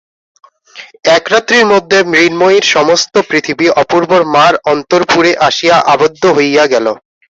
একরাত্রির মধ্যে মৃন্ময়ীর সমস্ত পৃথিবী অপূর্বর মার অন্তঃপুরে আসিয়া আবদ্ধ হইলা গেল।